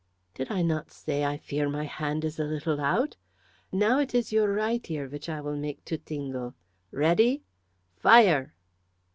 "Did I not say I fear my hand is a little out? Now it is your right ear which I will make to tingle. Ready! Fire!"